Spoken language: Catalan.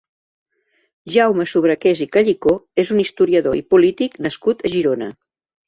Jaume Sobrequés i Callicó és un historiador i polític nascut a Girona.